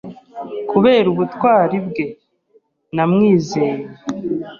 Kubera ubutwari bwe, namwizeye.